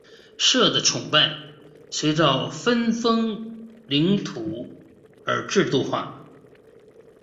社的崇拜随着分封领土而制度化。